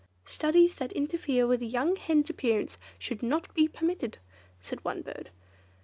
"Studies that interfere with a young hen's appearance should not be permitted," said one bird.